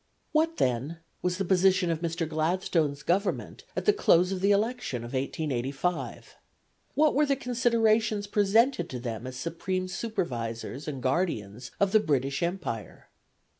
What, then, was the position of Mr. Gladstone's Government at the close of the election of 1885? What were the considerations presented to them as supreme supervisors and guardians of the British Empire?